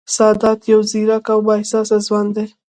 سادات یو ځېرک او با احساسه ځوان دی